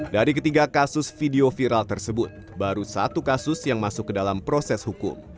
dari ketiga kasus video viral tersebut baru satu kasus yang masuk ke dalam proses hukum